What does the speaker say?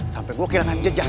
sampai gue kehilangan jejak